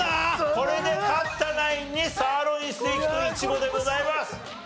これで勝ったナインにサーロインステーキといちごでございます。